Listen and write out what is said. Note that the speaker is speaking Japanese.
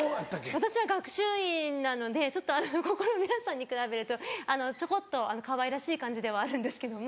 私は学習院なのでちょっとあのここの皆さんに比べるとちょこっとかわいらしい感じではあるんですけども。